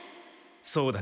そうだね